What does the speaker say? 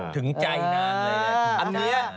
ถึงใจนานเลย